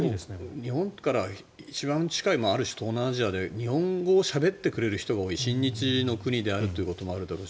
日本から一番近いある種、東南アジアで日本語をしゃべってくれる人が多い親日の国であるということもあるでしょうし